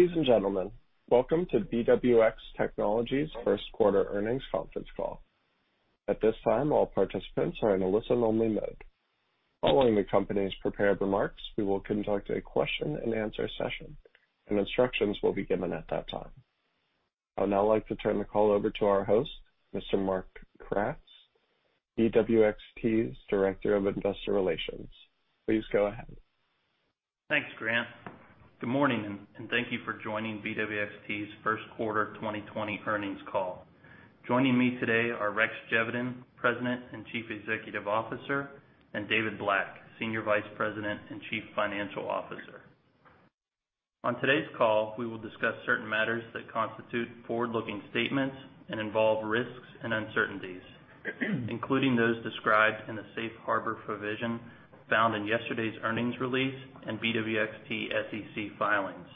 Ladies and gentlemen, welcome to BWX Technologies' First Quarter Earnings Conference Call. At this time, all participants are in a listen-only mode. Following the company's prepared remarks, we will conduct a question and answer session, and instructions will be given at that time. I would now like to turn the call over to our host, Mr. Mark Kratz, BWXT's Director of Investor Relations. Please go ahead. Thanks, Grant. Good morning, and thank you for joining BWXT's First Quarter 2020 Earnings Call. Joining me today are Rex Geveden, President and Chief Executive Officer, and David Black, Senior Vice President and Chief Financial Officer. On today's call, we will discuss certain matters that constitute forward-looking statements and involve risks and uncertainties, including those described in the safe harbor provision found in yesterday's earnings release and BWXT SEC filings.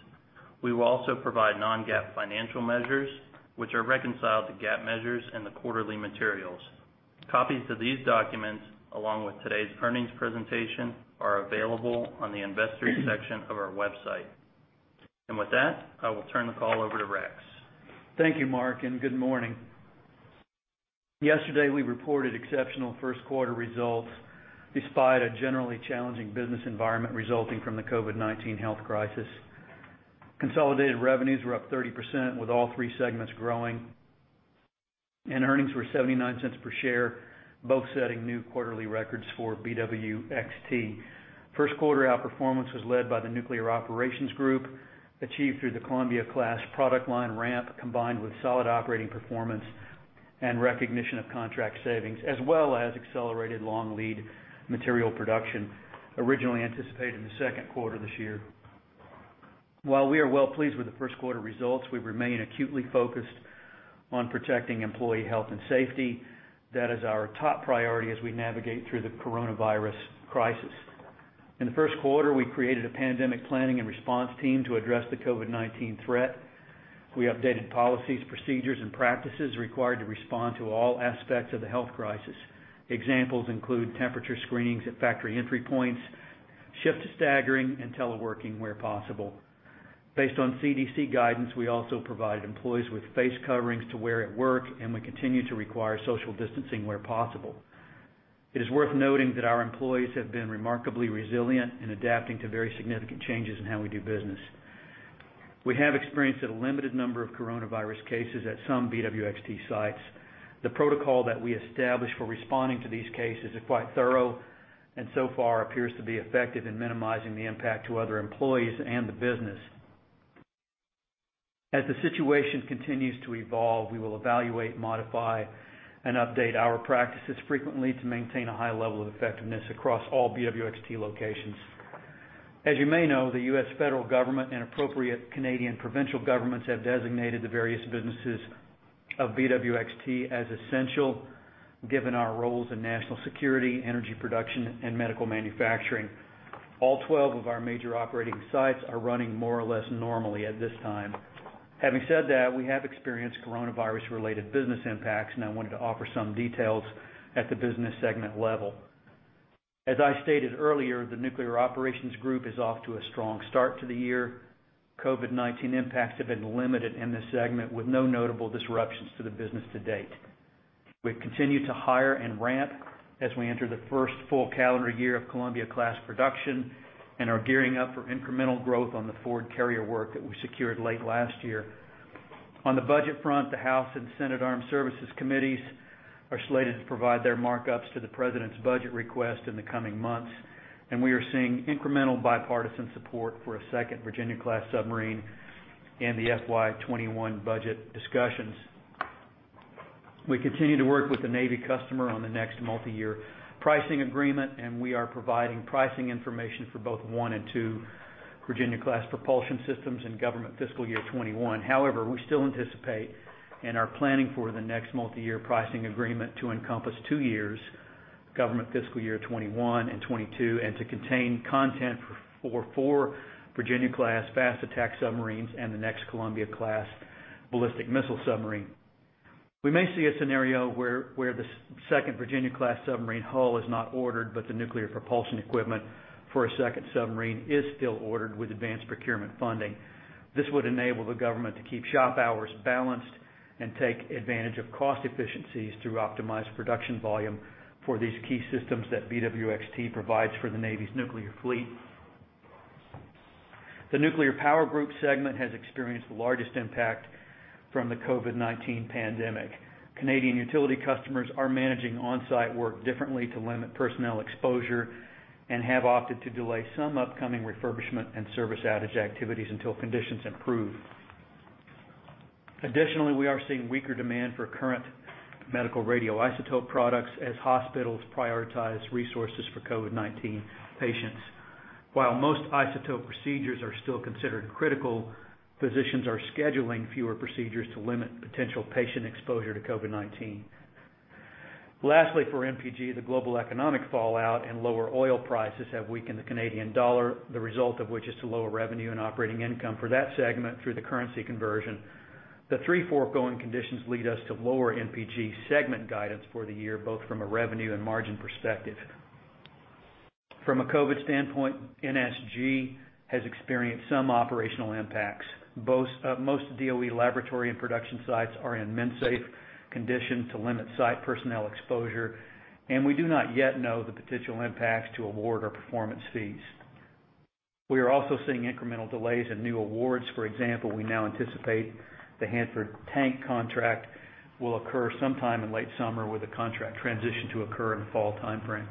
We will also provide non-GAAP financial measures, which are reconciled to GAAP measures in the quarterly materials. Copies of these documents, along with today's earnings presentation, are available on the investors section of our website. With that, I will turn the call over to Rex. Thank you, Mark, and good morning. Yesterday, we reported exceptional first-quarter results despite a generally challenging business environment resulting from the COVID-19 health crisis. Consolidated revenues were up 30%, with all three segments growing, and earnings were $0.79 per share, both setting new quarterly records for BWXT. First-quarter outperformance was led by the Nuclear Operations Group, achieved through the Columbia-class product line ramp, combined with solid operating performance and recognition of contract savings, as well as accelerated long lead material production originally anticipated in the second quarter of this year. While we are well-pleased with the first-quarter results, we remain acutely focused on protecting employee health and safety. That is our top priority as we navigate through the coronavirus crisis. In the first quarter, we created a pandemic planning and response team to address the COVID-19 threat. We updated policies, procedures, and practices required to respond to all aspects of the health crisis. Examples include temperature screenings at factory entry points, shift staggering, and teleworking where possible. Based on CDC guidance, we also provided employees with face coverings to wear at work, and we continue to require social distancing where possible. It is worth noting that our employees have been remarkably resilient in adapting to very significant changes in how we do business. We have experienced a limited number of coronavirus cases at some BWXT sites. The protocol that we established for responding to these cases is quite thorough and so far appears to be effective in minimizing the impact to other employees and the business. As the situation continues to evolve, we will evaluate, modify, and update our practices frequently to maintain a high level of effectiveness across all BWXT locations. As you may know, the U.S. federal government and appropriate Canadian provincial governments have designated the various businesses of BWXT as essential, given our roles in national security, energy production, and medical manufacturing. All 12 of our major operating sites are running more or less normally at this time. Having said that, we have experienced coronavirus-related business impacts, and I wanted to offer some details at the business segment level. As I stated earlier, the Nuclear Operations Group is off to a strong start to the year. COVID-19 impacts have been limited in this segment, with no notable disruptions to the business to date. We've continued to hire and ramp as we enter the first full calendar year of Columbia-class production and are gearing up for incremental growth on the Ford carrier work that we secured late last year. On the budget front, the House and Senate Armed Services Committees are slated to provide their markups to the president's budget request in the coming months. We are seeing incremental bipartisan support for a second Virginia-class submarine in the FY 2021 budget discussions. We continue to work with the Navy customer on the next multi-year pricing agreement. We are providing pricing information for both one and two Virginia-class propulsion systems in government fiscal year 2021. We still anticipate and are planning for the next multi-year pricing agreement to encompass two years, government fiscal year 2021 and 2022, and to contain content for four Virginia-class fast attack submarines and the next Columbia-class ballistic missile submarine. We may see a scenario where the second Virginia-class submarine hull is not ordered. The nuclear propulsion equipment for a second submarine is still ordered with advanced procurement funding. This would enable the government to keep shop hours balanced and take advantage of cost efficiencies through optimized production volume for these key systems that BWXT provides for the Navy's nuclear fleet. The Nuclear Power Group segment has experienced the largest impact from the COVID-19 pandemic. Canadian utility customers are managing on-site work differently to limit personnel exposure and have opted to delay some upcoming refurbishment and service outage activities until conditions improve. Additionally, we are seeing weaker demand for current medical radioisotope products as hospitals prioritize resources for COVID-19 patients. While most isotope procedures are still considered critical, physicians are scheduling fewer procedures to limit potential patient exposure to COVID-19. Lastly, for NPG, the global economic fallout and lower oil prices have weakened the Canadian dollar, the result of which is to lower revenue and operating income for that segment through the currency conversion. The three foregoing conditions lead us to lower NPG segment guidance for the year, both from a revenue and margin perspective. From a COVID standpoint, NSG has experienced some operational impacts. Most DOE laboratory and production sites are in MinSafe condition to limit site personnel exposure, and we do not yet know the potential impacts to award or performance fees. We are also seeing incremental delays in new awards. For example, we now anticipate the Hanford tank contract will occur sometime in late summer with the contract transition to occur in the fall timeframe.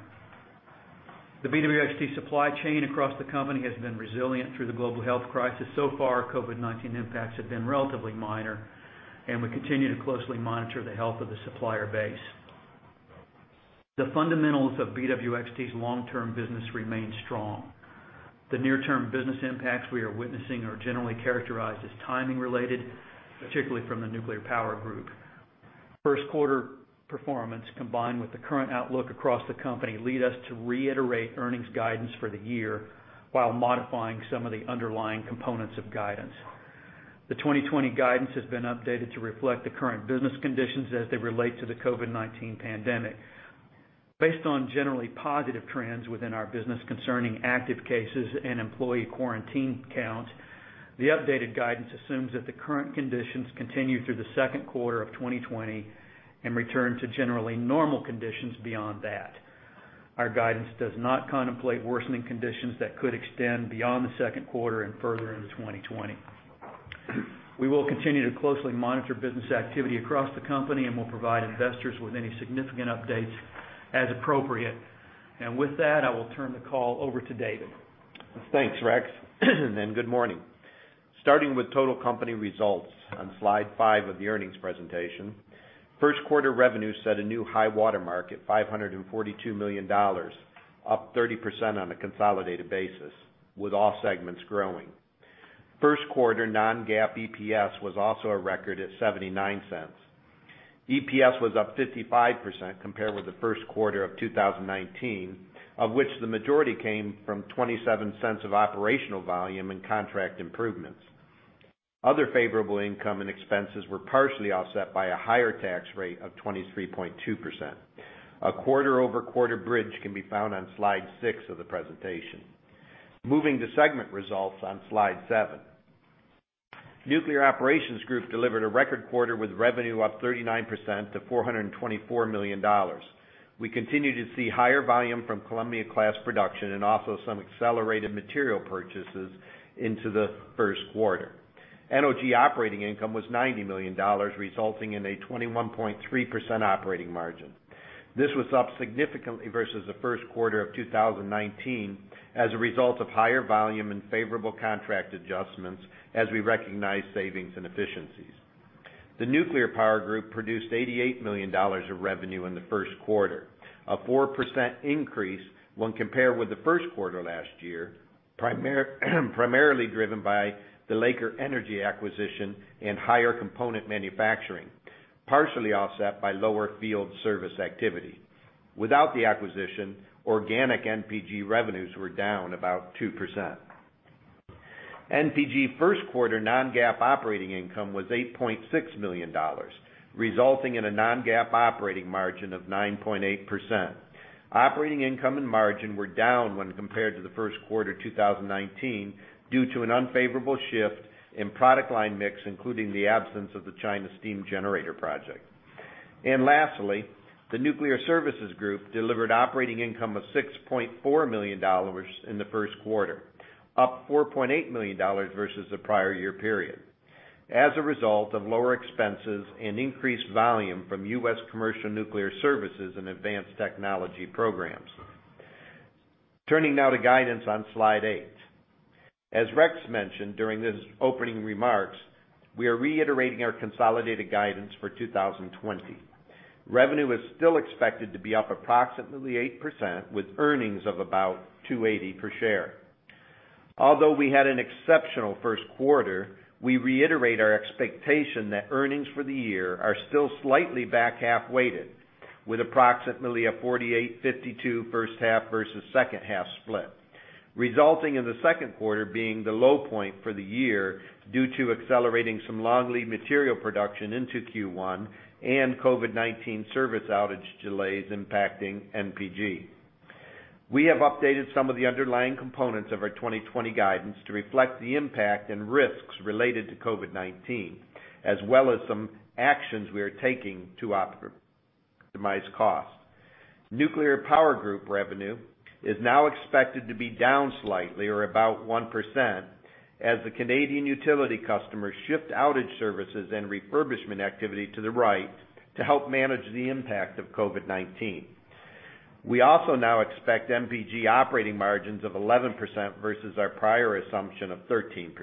The BWXT supply chain across the company has been resilient through the global health crisis. So far, COVID impacts have been relatively minor, and we continue to closely monitor the health of the supplier base. The fundamentals of BWXT's long-term business remain strong. The near-term business impacts we are witnessing are generally characterized as timing related, particularly from the Nuclear Power Group. First quarter performance, combined with the current outlook across the company, lead us to reiterate earnings guidance for the year while modifying some of the underlying components of guidance. The 2020 guidance has been updated to reflect the current business conditions as they relate to the COVID-19 pandemic. Based on generally positive trends within our business concerning active cases and employee quarantine counts, the updated guidance assumes that the current conditions continue through the second quarter of 2020 and return to generally normal conditions beyond that. Our guidance does not contemplate worsening conditions that could extend beyond the second quarter and further into 2020. We will continue to closely monitor business activity across the company and will provide investors with any significant updates as appropriate. With that, I will turn the call over to David. Thanks, Rex. Good morning. Starting with total company results on slide five of the earnings presentation, first quarter revenue set a new high water mark at $542 million, up 30% on a consolidated basis, with all segments growing. First quarter non-GAAP EPS was also a record at $0.79. EPS was up 55% compared with the first quarter of 2019, of which the majority came from $0.27 of operational volume and contract improvements. Other favorable income and expenses were partially offset by a higher tax rate of 23.2%. A quarter-over-quarter bridge can be found on slide six of the presentation. Moving to segment results on slide seven. Nuclear Operations Group delivered a record quarter with revenue up 39% to $424 million. We continue to see higher volume from Columbia-class production and also some accelerated material purchases into the first quarter. NOG operating income was $90 million, resulting in a 21.3% operating margin. This was up significantly versus the first quarter of 2019 as a result of higher volume and favorable contract adjustments as we recognized savings and efficiencies. The Nuclear Power Group produced $88 million of revenue in the first quarter, a 4% increase when compared with the first quarter last year, primarily driven by the Laker Energy acquisition and higher component manufacturing, partially offset by lower field service activity. Without the acquisition, organic NPG revenues were down about 2%. NPG first quarter non-GAAP operating income was $8.6 million, resulting in a non-GAAP operating margin of 9.8%. Operating income and margin were down when compared to the first quarter 2019 due to an unfavorable shift in product line mix, including the absence of the China steam generator project. Lastly, the Nuclear Services Group delivered operating income of $6.4 million in the first quarter, up $4.8 million versus the prior-year period, as a result of lower expenses and increased volume from U.S. commercial nuclear services and advanced technology programs. Turning now to guidance on slide eight. As Rex mentioned during his opening remarks, we are reiterating our consolidated guidance for 2020. Revenue is still expected to be up approximately 8% with earnings of about $2.80 per share. Although we had an exceptional first quarter, we reiterate our expectation that earnings for the year are still slightly back half weighted with approximately a 48/52 first half versus second half split, resulting in the second quarter being the low point for the year due to accelerating some long lead material production into Q1 and COVID-19 service outage delays impacting NPG. We have updated some of the underlying components of our 2020 guidance to reflect the impact and risks related to COVID-19, as well as some actions we are taking to optimize cost. Nuclear Power Group revenue is now expected to be down slightly or about 1% as the Canadian utility customers shift outage services and refurbishment activity to the right to help manage the impact of COVID-19. We also now expect NPG operating margins of 11% versus our prior assumption of 13%.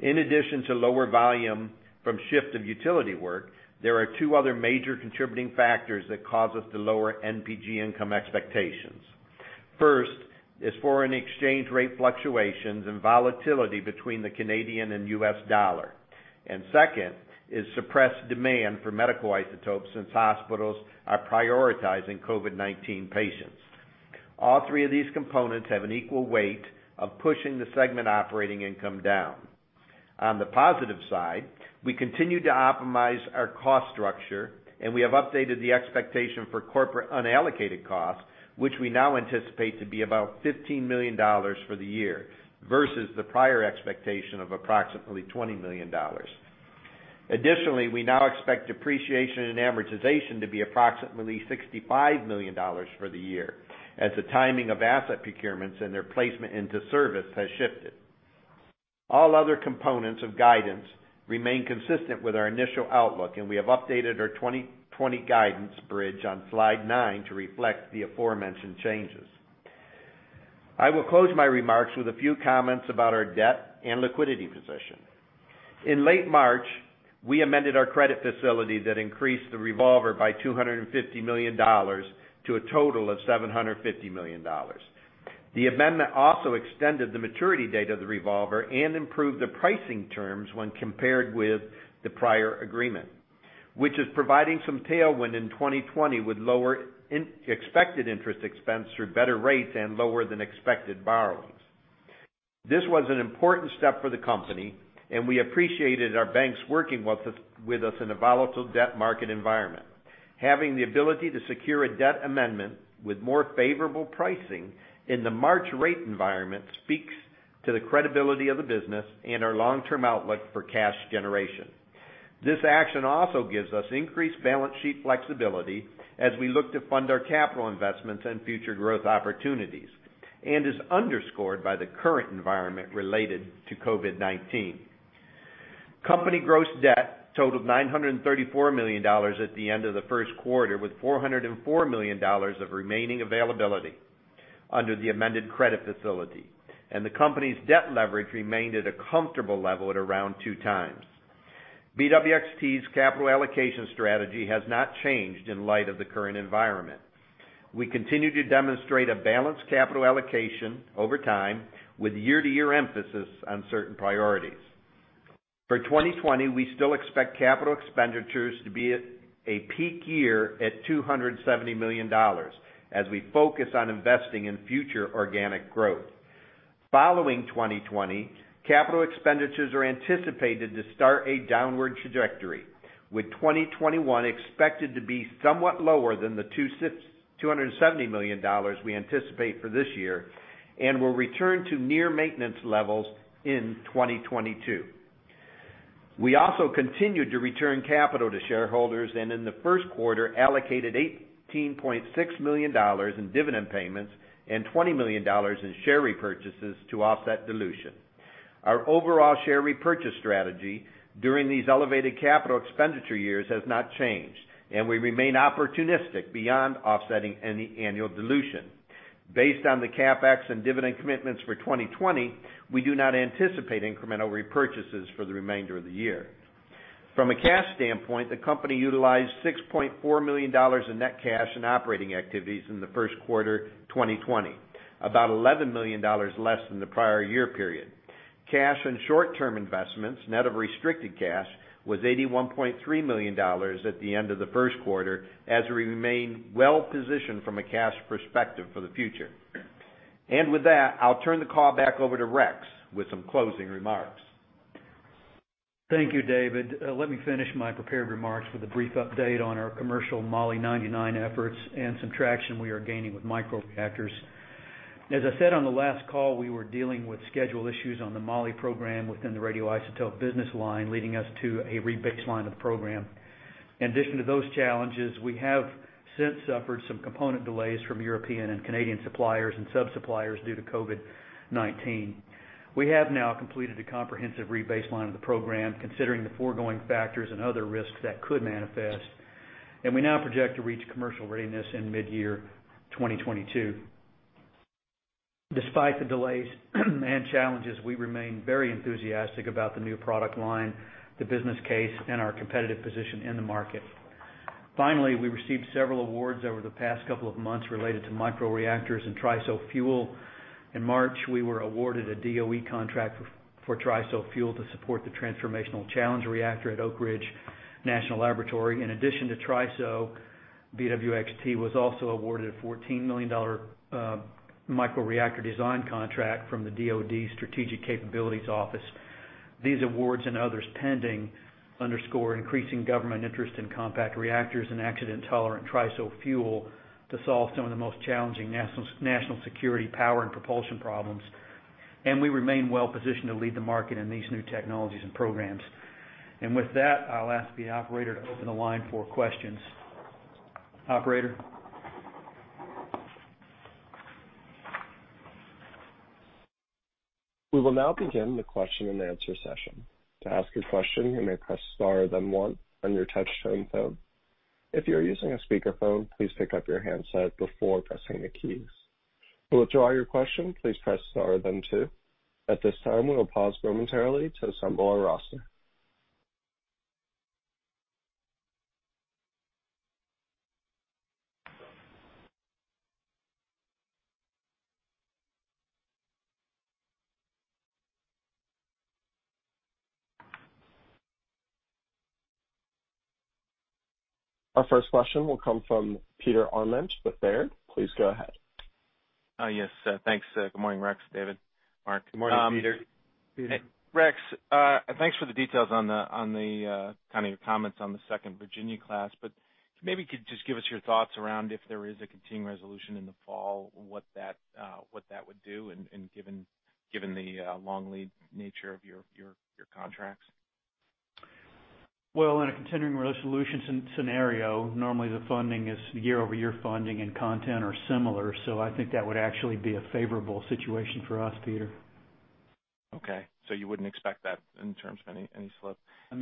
In addition to lower volume from shift of utility work, there are two other major contributing factors that cause us to lower NPG income expectations. First is foreign exchange rate fluctuations and volatility between the Canadian and U.S. dollar. Second is suppressed demand for medical isotopes since hospitals are prioritizing COVID-19 patients. All three of these components have an equal weight of pushing the segment operating income down. On the positive side, we continue to optimize our cost structure, and we have updated the expectation for corporate unallocated costs, which we now anticipate to be about $15 million for the year, versus the prior expectation of approximately $20 million. Additionally, we now expect depreciation and amortization to be approximately $65 million for the year, as the timing of asset procurements and their placement into service has shifted. All other components of guidance remain consistent with our initial outlook, and we have updated our 2020 guidance bridge on slide nine to reflect the aforementioned changes. I will close my remarks with a few comments about our debt and liquidity position. In late March, we amended our credit facility that increased the revolver by $250 million to a total of $750 million. The amendment also extended the maturity date of the revolver and improved the pricing terms when compared with the prior agreement, which is providing some tailwind in 2020 with lower expected interest expense through better rates and lower than expected borrowings. This was an important step for the company, and we appreciated our banks working with us in a volatile debt market environment. Having the ability to secure a debt amendment with more favorable pricing in the March rate environment speaks to the credibility of the business and our long-term outlook for cash generation. This action also gives us increased balance sheet flexibility as we look to fund our capital investments and future growth opportunities, and is underscored by the current environment related to COVID-19. Company gross debt totaled $934 million at the end of the first quarter, with $404 million of remaining availability under the amended credit facility, and the company's debt leverage remained at a comfortable level at around 2x. BWXT's capital allocation strategy has not changed in light of the current environment. We continue to demonstrate a balanced capital allocation over time with year-to-year emphasis on certain priorities. For 2020, we still expect capital expenditures to be at a peak year at $270 million as we focus on investing in future organic growth. Following 2020, capital expenditures are anticipated to start a downward trajectory, with 2021 expected to be somewhat lower than the $270 million we anticipate for this year and will return to near maintenance levels in 2022. We also continued to return capital to shareholders and in the first quarter allocated $18.6 million in dividend payments and $20 million in share repurchases to offset dilution. Our overall share repurchase strategy during these elevated capital expenditure years has not changed, and we remain opportunistic beyond offsetting any annual dilution. Based on the CapEx and dividend commitments for 2020, we do not anticipate incremental repurchases for the remainder of the year. From a cash standpoint, the company utilized $6.4 million in net cash in operating activities in the first quarter 2020, about $11 million less than the prior-year period. Cash and short-term investments, net of restricted cash, was $81.3 million at the end of the first quarter as we remain well-positioned from a cash perspective for the future. With that, I'll turn the call back over to Rex with some closing remarks. Thank you, David. Let me finish my prepared remarks with a brief update on our commercial Mo-99 efforts and some traction we are gaining with microreactors. As I said on the last call, we were dealing with schedule issues on the Moly program within the radioisotope business line, leading us to a [re-baseline] of the program. In addition to those challenges, we have since suffered some component delays from European and Canadian suppliers and sub-suppliers due to COVID-19. We have now completed a comprehensive re-baseline of the program considering the foregoing factors and other risks that could manifest, and we now project to reach commercial readiness in mid-year 2022. Despite the delays and challenges, we remain very enthusiastic about the new product line, the business case, and our competitive position in the market. Finally, we received several awards over the past couple of months related to microreactors and TRISO fuel. In March, we were awarded a DOE contract for TRISO fuel to support the Transformational Challenge Reactor at Oak Ridge National Laboratory. In addition to TRISO, BWXT was also awarded a $14 million microreactor design contract from the DoD Strategic Capabilities Office. These awards, and others pending, underscore increasing government interest in compact reactors and accident-tolerant TRISO fuel to solve some of the most challenging national security power and propulsion problems. We remain well-positioned to lead the market in these new technologies and programs. With that, I'll ask the operator to open the line for questions. Operator? We will now begin the question and answer session. To ask a question, you may press star, then one on your touchtone phone. If you are using a speakerphone, please pick up your handset before pressing the keys. To withdraw your question, please press star, then two. At this time, we will pause momentarily to assemble our roster. Our first question will come from Peter Arment with Baird. Please go ahead. Yes, thanks. Good morning, Rex, David, Mark. Good morning, Peter. Rex, thanks for the details on your comments on the second Virginia-class. Maybe you could just give us your thoughts around if there is a continuing resolution in the fall, what that would do, and given the long lead nature of your contracts. Well, in a continuing resolution scenario, normally the funding is year-over-year funding and content are similar. I think that would actually be a favorable situation for us, Peter. Okay. You wouldn't expect that in terms of any slip. I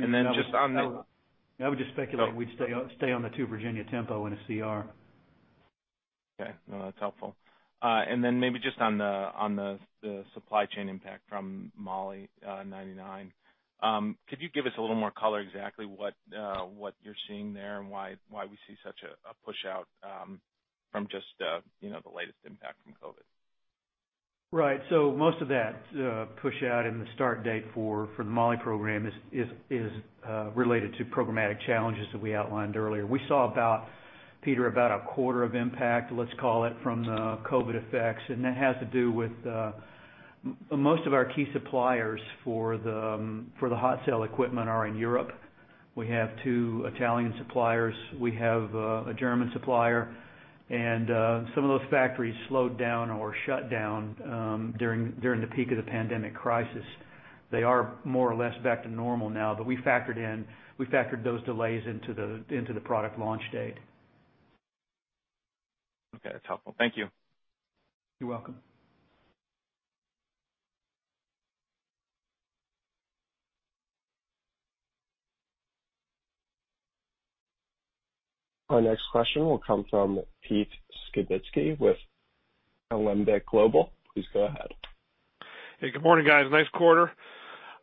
would just speculate we'd stay on the two Virginia tempo in a CR. Okay. No, that's helpful. Then maybe just on the supply chain impact from Moly-99, could you give us a little more color exactly what you're seeing there and why we see such a push out from just the latest impact from COVID? Right. Most of that push out in the start date for the Moly program is related to programmatic challenges that we outlined earlier. We saw, Peter, about a quarter of impact, let's call it, from the COVID effects. That has to do with most of our key suppliers for the hot cell equipment are in Europe. We have two Italian suppliers, we have a German supplier, and some of those factories slowed down or shut down during the peak of the pandemic crisis. They are more or less back to normal now. We factored those delays into the product launch date. Okay. That's helpful. Thank you. You're welcome. Our next question will come from Pete Skibitski with Alembic Global. Please go ahead. Hey. Good morning, guys. Nice quarter.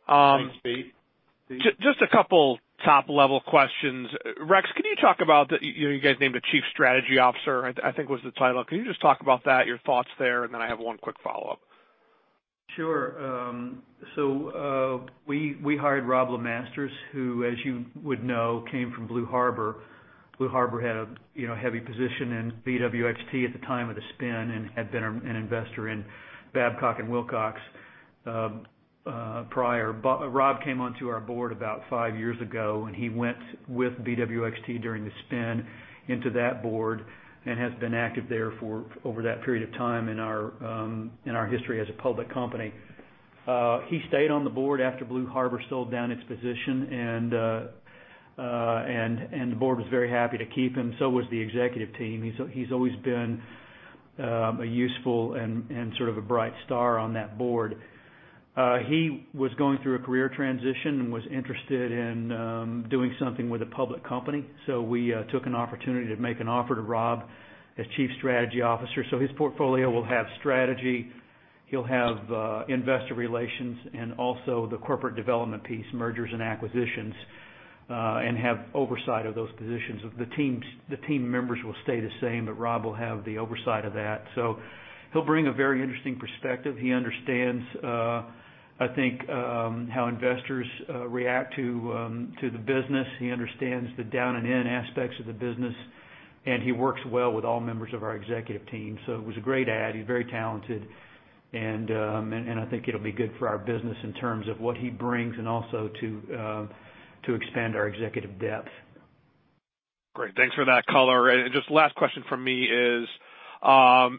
Thanks, Pete. Just a couple top-level questions. Rex, you guys named a Chief Strategy Officer, I think was the title. Can you just talk about that, your thoughts there. I have one quick follow-up. Sure. We hired Robb LeMasters, who, as you would know, came from Blue Harbour. Blue Harbour had a heavy position in BWXT at the time of the spin and had been an investor in Babcock & Wilcox prior. Robb came onto our Board about five years ago, and he went with BWXT during the spin into that Board and has been active there for over that period of time in our history as a public company. He stayed on the Board after Blue Harbour sold down its position, and the Board was very happy to keep him. So was the executive team. He's always been useful and sort of a bright star on that Board. He was going through a career transition and was interested in doing something with a public company. We took an opportunity to make an offer to Robb as Chief Strategy Officer. His portfolio will have strategy, he'll have investor relations, and also the corporate development piece, mergers and acquisitions, and have oversight of those positions. The team members will stay the same, but Robb will have the oversight of that. He'll bring a very interesting perspective. He understands, I think, how investors react to the business. He understands the down and in aspects of the business, and he works well with all members of our executive team. It was a great add. He's very talented, and I think it'll be good for our business in terms of what he brings and also to expand our executive depth. Great. Thanks for that color. Just last question from me is,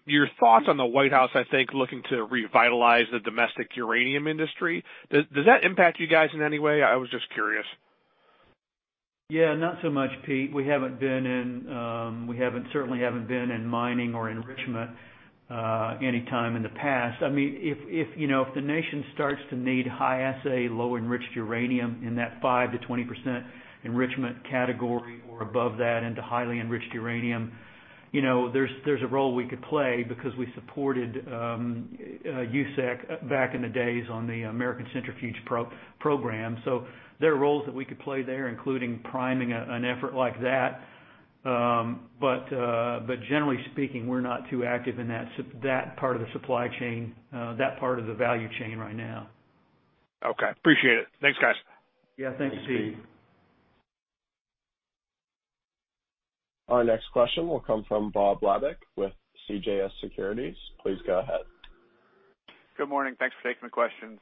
your thoughts on the White House, I think, looking to revitalize the domestic uranium industry. Does that impact you guys in any way? I was just curious. Yeah, not so much, Pete. We certainly haven't been in mining or enrichment any time in the past. If the nation starts to need High-Assay Low-Enriched Uranium in that 5%-20% enrichment category or above that into highly enriched uranium, there's a role we could play because we supported USEC back in the days on the American Centrifuge Program. There are roles that we could play there, including priming an effort like that. Generally speaking, we're not too active in that part of the supply chain, that part of the value chain right now. Okay. Appreciate it. Thanks, guys. Yeah. Thanks, Pete. Our next question will come from Bob Labick with CJS Securities. Please go ahead. Good morning. Thanks for taking the questions.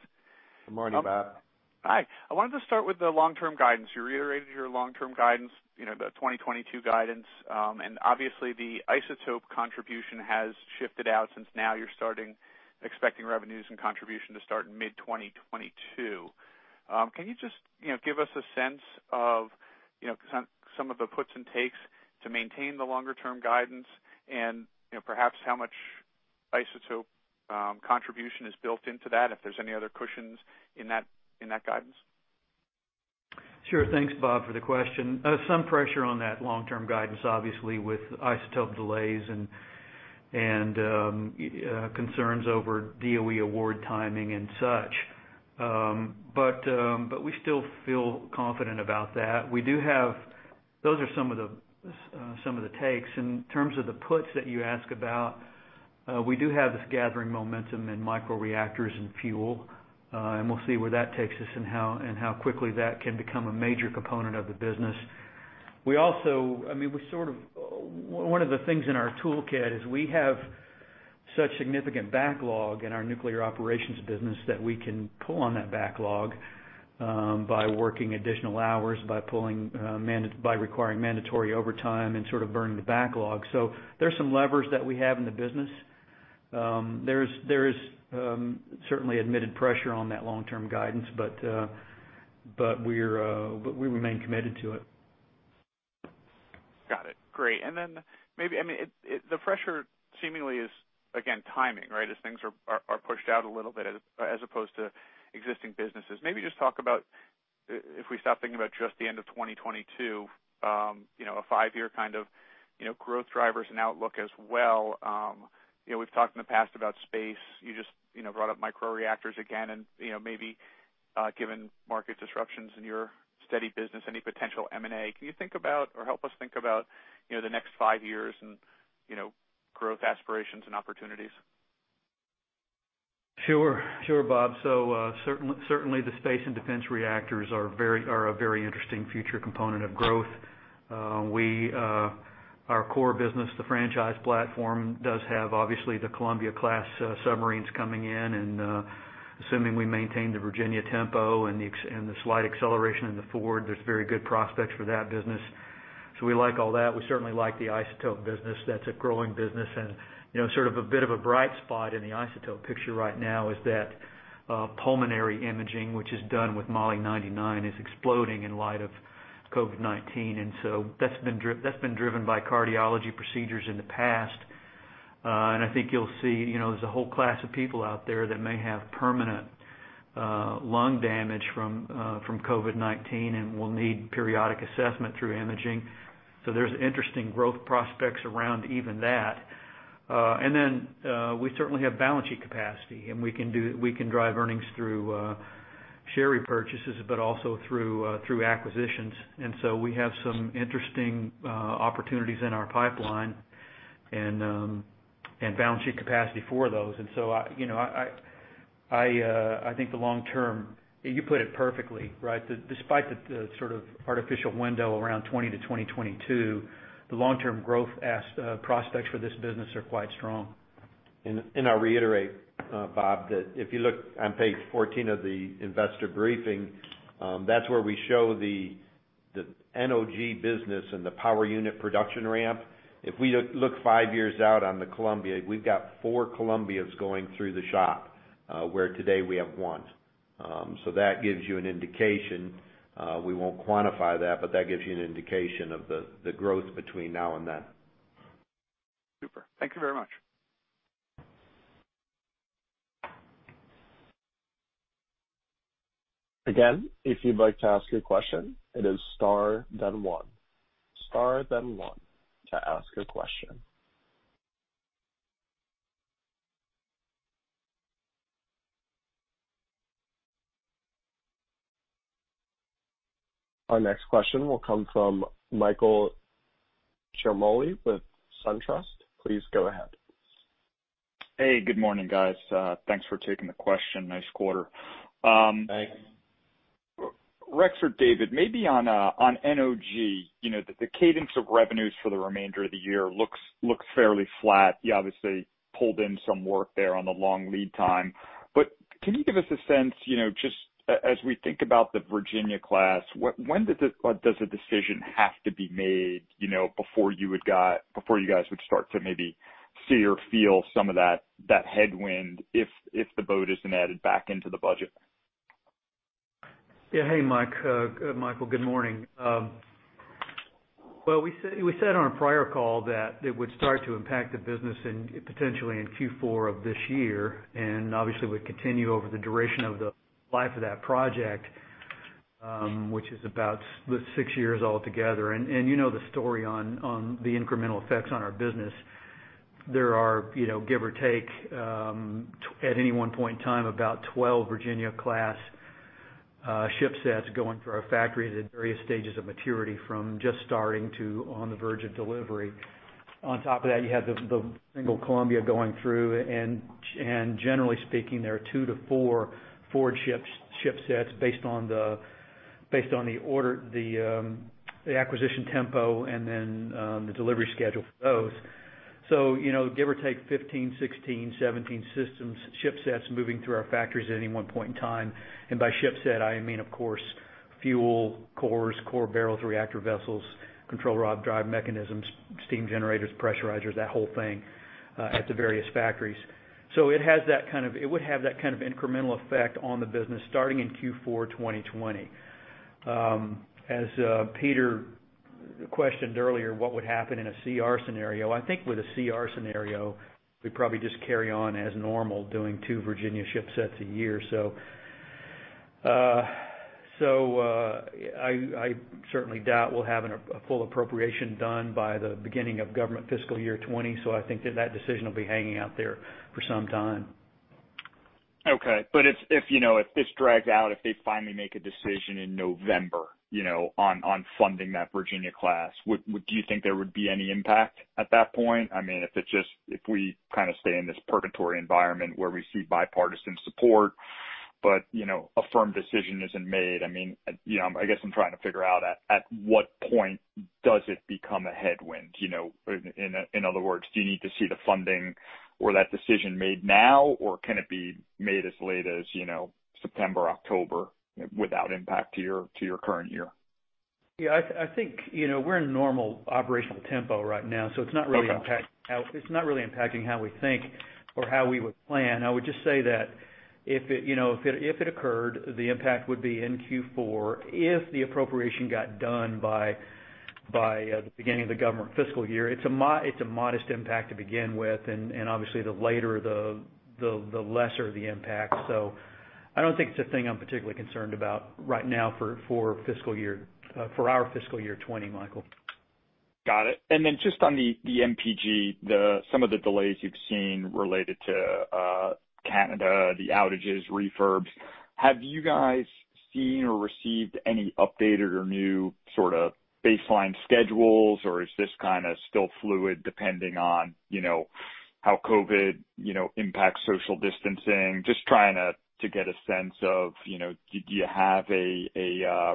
Good morning, Bob. Hi. I wanted to start with the long-term guidance. You reiterated your long-term guidance, the 2022 guidance. Obviously the isotope contribution has shifted out since now you're expecting revenues and contribution to start in mid-2022. Can you just give us a sense of some of the puts and takes to maintain the longer-term guidance and perhaps how much isotope contribution is built into that, if there's any other cushions in that guidance? Sure. Thanks, Bob, for the question. Some pressure on that long-term guidance, obviously, with isotope delays and concerns over DOE award timing and such. We still feel confident about that. Those are some of the takes. In terms of the puts that you ask about. We do have this gathering momentum in microreactors and fuel, and we'll see where that takes us and how quickly that can become a major component of the business. One of the things in our toolkit is we have such significant backlog in our Nuclear Operations business that we can pull on that backlog by working additional hours, by requiring mandatory overtime, and sort of burning the backlog. There's some levers that we have in the business. There is certainly admitted pressure on that long-term guidance, but we remain committed to it. Got it. Great. The pressure seemingly is, again, timing, right? As things are pushed out a little bit as opposed to existing businesses. Maybe just talk about, if we stop thinking about just the end of 2022, a five-year kind of growth drivers and outlook as well. We've talked in the past about space. You just brought up microreactors again, and maybe given market disruptions in your steady business, any potential M&A. Can you think about or help us think about the next five years and growth aspirations and opportunities? Sure, Bob. Certainly the space and defense reactors are a very interesting future component of growth. Our core business, the franchise platform, does have, obviously, the Columbia-class submarines coming in, assuming we maintain the Virginia tempo and the slight acceleration in the Ford, there's very good prospects for that business. We like all that. We certainly like the isotope business. That's a growing business. Sort of a bit of a bright spot in the isotope picture right now is that pulmonary imaging, which is done with Moly-99, is exploding in light of COVID-19. That's been driven by cardiology procedures in the past. I think you'll see there's a whole class of people out there that may have permanent lung damage from COVID-19 and will need periodic assessment through imaging. There's interesting growth prospects around even that. Then, we certainly have balance sheet capacity, and we can drive earnings through share repurchases, but also through acquisitions. So we have some interesting opportunities in our pipeline and balance sheet capacity for those. So I think the long-term, you put it perfectly, right? Despite the sort of artificial window around 2020-2022, the long-term growth prospects for this business are quite strong. I'll reiterate, Bob, that if you look on page 14 of the investor briefing, that's where we show the NOG business and the power unit production ramp. If we look five years out on the Columbia, we've got four Columbias going through the shop, where today we have one. That gives you an indication. We won't quantify that, but that gives you an indication of the growth between now and then. Super. Thank you very much. If you'd like to ask a question, it is star then one. Star then one to ask a question. Our next question will come from Michael Ciarmoli with Truist. Please go ahead. Hey, good morning, guys. Thanks for taking the question. Nice quarter. Thanks. Rex or David, maybe on NOG, the cadence of revenues for the remainder of the year looks fairly flat. You obviously pulled in some work there on the long lead time. Can you give us a sense, just as we think about the Virginia-class, when does a decision have to be made before you guys would start to maybe see or feel some of that headwind if the boat isn't added back into the budget? Yeah. Hey, Mike. Michael, good morning. Well, we said on a prior call that it would start to impact the business potentially in Q4 of this year, obviously would continue over the duration of the life of that project, which is about six years altogether. You know the story on the incremental effects on our business. There are, give or take, at any one point in time, about 12 Virginia-class ship sets going through our factories at various stages of maturity, from just starting to on the verge of delivery. On top of that, you have the single Columbia going through, generally speaking, there are two to four Ford ship sets based on the acquisition tempo and then the delivery schedule for those. Give or take 15, 16, 17 systems, ship sets moving through our factories at any one point in time. By ship set, I mean, of course, fuel, cores, core barrels, reactor vessels, control rod drive mechanisms, steam generators, pressurizers, that whole thing, at the various factories. It would have that kind of incremental effect on the business starting in Q4 2020. As Peter questioned earlier, what would happen in a CR scenario? I think with a CR scenario, we'd probably just carry on as normal doing two Virginia ship sets a year. I certainly doubt we'll have a full appropriation done by the beginning of government fiscal year 2020, so I think that that decision will be hanging out there for some time. Okay. If this drags out, if they finally make a decision in November on funding that Virginia-class, do you think there would be any impact at that point? If we kind of stay in this purgatory environment where we see bipartisan support but a firm decision isn't made. I guess I'm trying to figure out at what point does it become a headwind? In other words, do you need to see the funding or that decision made now, or can it be made as late as September, October, without impact to your current year? I think we're in a normal operational tempo right now, so it's not really impacting how we think or how we would plan. I would just say that if it occurred, the impact would be in Q4 if the appropriation got done by the beginning of the government fiscal year. It's a modest impact to begin with, and obviously the later, the lesser the impact. I don't think it's a thing I'm particularly concerned about right now for our fiscal year 2020, Michael. Got it. Just on the NPG, some of the delays you've seen related to Canada, the outages, refurbs, have you guys seen or received any updated or new sort of baseline schedules, or is this kind of still fluid depending on how COVID impacts social distancing? Just trying to get a sense of do you have a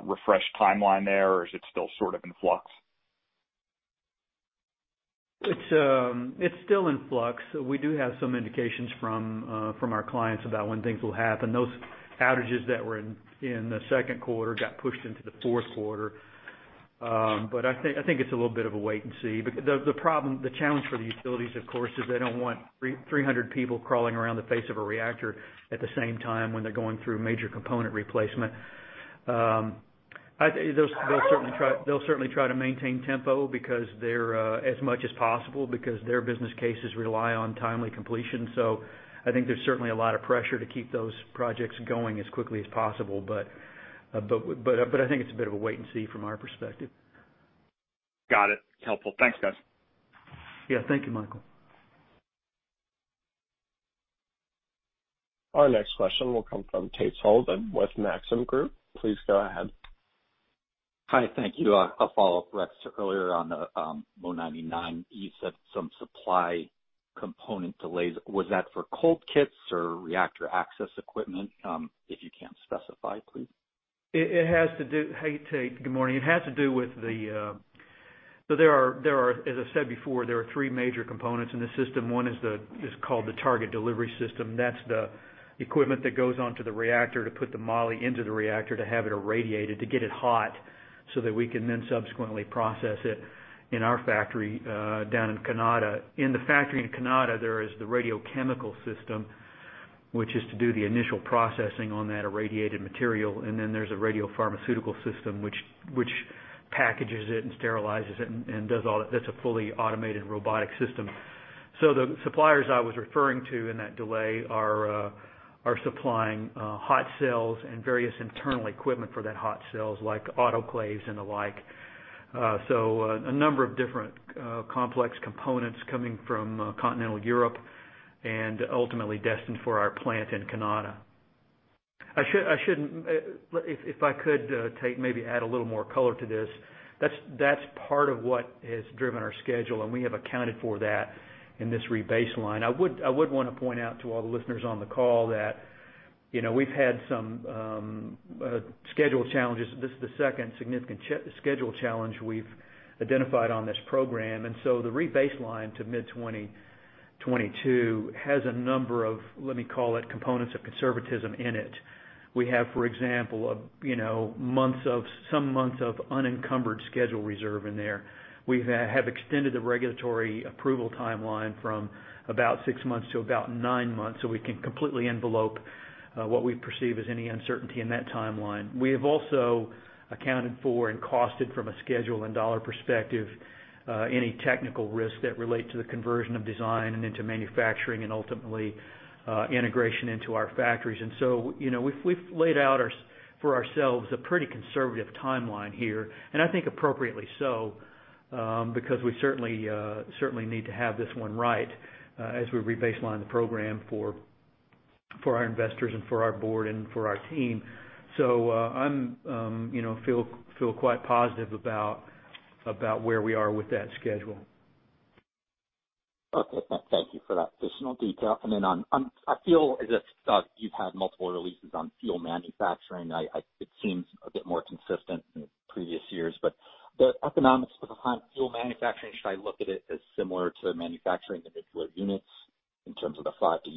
refreshed timeline there, or is it still sort of in flux? It's still in flux. We do have some indications from our clients about when things will happen. Those outages that were in the second quarter got pushed into the fourth quarter. I think it's a little bit of a wait and see. The challenge for the utilities, of course, is they don't want 300 people crawling around the face of a reactor at the same time when they're going through major component replacement. They'll certainly try to maintain tempo as much as possible because their business cases rely on timely completion. I think there's certainly a lot of pressure to keep those projects going as quickly as possible. I think it's a bit of a wait and see from our perspective. Got it. Helpful. Thanks, guys. Yeah. Thank you, Michael. Our next question will come from Tate Sullivan with Maxim Group. Please go ahead. Hi. Thank you. A follow-up, Rex, to earlier on the Mo-99. You said some supply component delays. Was that for cold kits or reactor access equipment? If you can't specify, please. Hey, Tate. Good morning. As I said before, there are three major components in this system. One is called the Target Delivery System. That's the equipment that goes onto the reactor to put the moly into the reactor to have it irradiated, to get it hot so that we can then subsequently process it in our factory down in Canada. In the factory in Canada, there is the radiochemical system, which is to do the initial processing on that irradiated material, and then there's a radiopharmaceutical system which packages it and sterilizes it, that's a fully automated robotic system. The suppliers I was referring to in that delay are supplying hot cells and various internal equipment for that hot cells like autoclaves and the like. A number of different complex components coming from continental Europe and ultimately destined for our plant in Canada. If I could, Tate, maybe add a little more color to this. That's part of what has driven our schedule, and we have accounted for that in this re-baseline. I would want to point out to all the listeners on the call that we've had some schedule challenges. This is the second significant schedule challenge we've identified on this program, and so the re-baseline to mid-2022 has a number of, let me call it, components of conservatism in it. We have, for example, some months of unencumbered schedule reserve in there. We have extended the regulatory approval timeline from about six months to about nine months so we can completely envelop what we perceive as any uncertainty in that timeline. We have also accounted for and costed from a schedule and dollar perspective, any technical risks that relate to the conversion of design and into manufacturing and ultimately integration into our factories. We've laid out for ourselves a pretty conservative timeline here, and I think appropriately so, because we certainly need to have this one right, as we re-baseline the program for our investors and for our Board and for our team. I feel quite positive about where we are with that schedule. Okay. Thank you for that additional detail. On fuel, as you've had multiple releases on fuel manufacturing, it seems a bit more consistent than previous years. The economics behind fuel manufacturing, should I look at it as similar to manufacturing individual units in terms of the five to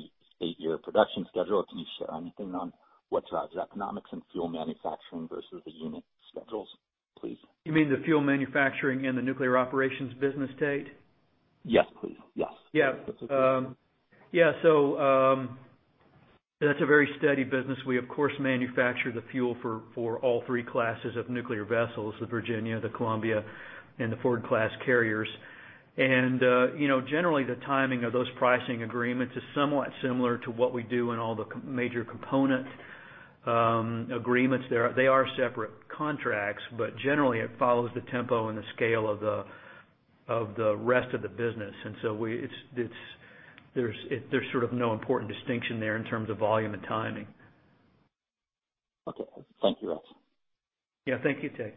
eight-year production schedule? Can you share anything on what drives economics in fuel manufacturing versus the unit schedules, please? You mean the fuel manufacturing and the Nuclear Operations business, Tate? Yes, please. Yes. Yeah. That's a very steady business. We of course manufacture the fuel for all three classes of nuclear vessels, the Virginia, the Columbia, and the Ford-class carriers. Generally the timing of those pricing agreements is somewhat similar to what we do in all the major component agreements. They are separate contracts, but generally it follows the tempo and the scale of the rest of the business. There's sort of no important distinction there in terms of volume and timing. Okay. Thank you, Rex. Yeah. Thank you, Tate.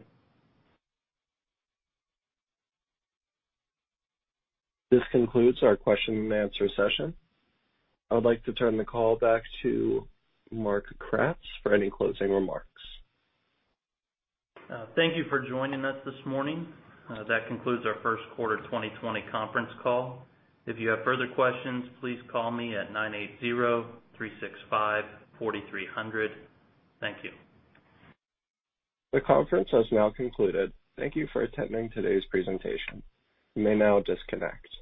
This concludes our question and answer session. I would like to turn the call back to Mark Kratz for any closing remarks. Thank you for joining us this morning. That concludes our First Quarter 2020 Conference Call. If you have further questions, please call me at nine eight zero-three six five-four three zero zero. Thank you. The conference has now concluded. Thank you for attending today's presentation. You may now disconnect.